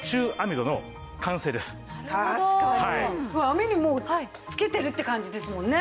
網にもうつけてるって感じですもんね。